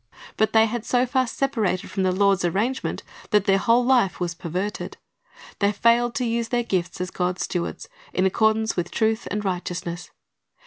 But they had so far separated from the Lord's arrangement that their whole life was perverted. They failed to use their gifts as God's stewards, in accordance wdth truth and righteousness.